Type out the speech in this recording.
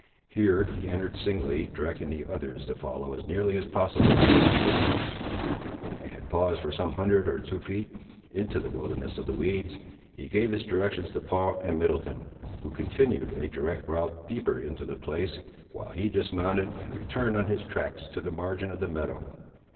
Here he entered, singly, directing the others to follow as nearly as possible in his own footsteps. When they had paused for some hundred or two feet into the wilderness of weeds, he gave his directions to Paul and Middleton, who continued a direct route deeper into the place, while he dismounted and returned on his tracks to the margin of the meadow.